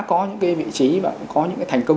có những cái vị trí và cũng có những cái thành công